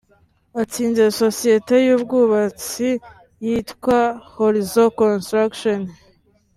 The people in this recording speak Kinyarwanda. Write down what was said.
atsinze Sosiyete y’Ubwubatsi yitwa Horizon Construction